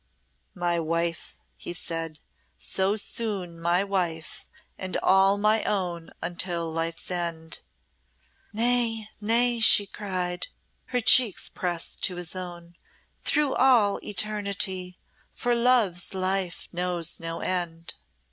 "My wife!" he said "so soon my wife and all my own until life's end." "Nay, nay," she cried, her cheek pressed to his own, "through all eternity, for Love's life knows no end."